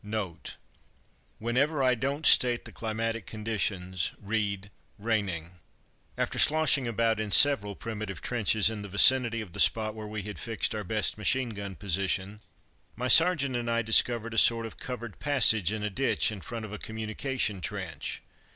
(Note. Whenever I don't state the climatic conditions, read "raining.") After sloshing about in several primitive trenches in the vicinity of the spot where we had fixed our best machine gun position, my sergeant and I discovered a sort of covered passage in a ditch in front of a communication trench.